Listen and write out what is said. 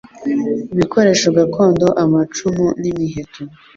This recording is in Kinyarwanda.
ibikoresho gakondo amacumu n imiheto